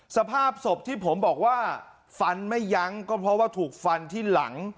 สภาพศพที่ผมบอกว่าฟันไม่ยั้งก็เพราะว่าถูกฟันที่หลัง